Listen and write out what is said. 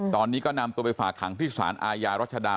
ตอนนี้ก็นำตัวไปฝากขังที่สารอาญารัชดา